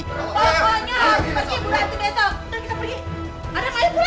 pokoknya harus pergi bu ranti besok